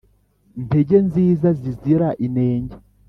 Ntege nziza zizira inenge